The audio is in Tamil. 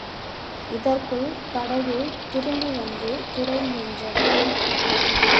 இதற்குள் படகு திரும்பி வந்து துறையில் நின்றது.